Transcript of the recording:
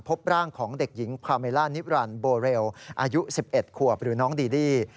พบร่างของเด็กหญิงพาเมล่านิบรันดิโบเรลอายุ๑๑ขวบหรือน้องดีดี้